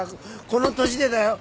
この年でだよ